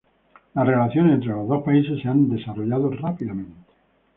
Las relaciones entre los dos países se han desarrollado rápidamente.